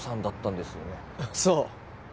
そう。